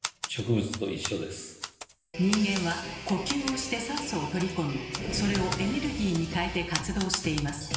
人間は呼吸をして酸素を取り込みそれをエネルギーに変えて活動しています。